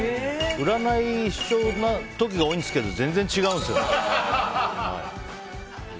占い、一緒の時が多いんですけど全然違うんですよね。